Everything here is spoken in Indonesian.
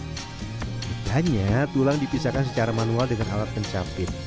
setidaknya tulang dipisahkan secara manual dengan alat pencapit